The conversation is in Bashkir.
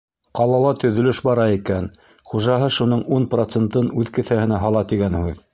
Ҡалала төҙөлөш бара икән, хужаһы шуның ун процентын үҙ кеҫәһенә һала тигән һүҙ.